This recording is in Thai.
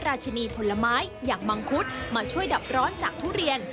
หรือไม้อย่างมังคุศมาช่วยดับร้อนจากทุเรียน